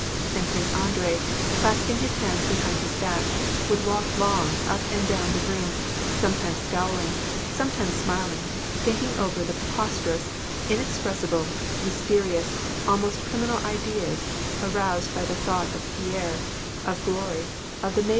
And Prince Andrei, clasping his hands behind his back, would walk long up and down the room, sometimes scowling, sometimes smiling, thinking over the preposterous, inexpressible, mysterious, almost criminal ideas aroused by the thought of Pierre, of glory, of the maiden VOL.